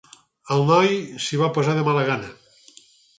El noi s'hi va posar de mala gana.